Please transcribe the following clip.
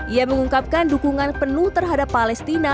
ia mengungkapkan dukungan penuh terhadap palestina